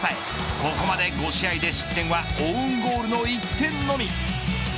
ここまで５試合で失点はオウンゴールの１点のみ。